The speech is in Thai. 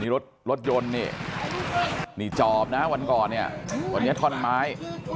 มีรถรถยนต์นี่นี่จอบนะวันก่อนเนี่ยวันนี้ท่อนไม้